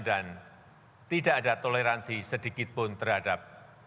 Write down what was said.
dan tidak ada toleransi sedikitpun terhadap